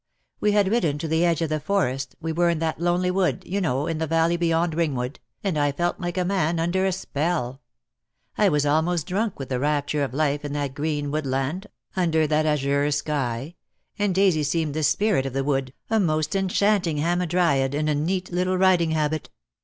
We had ridden to the edge of the Forest, we were in that lonely wood, you know, in the valley beyond Ringwood, and I felt like a man under a spell. I was almost drunk with the rapture of life in that green woodland, under that azure sky — and Daisy seemed the spirit of the wood, a most enchanting hamadryad in a neat little riding habit.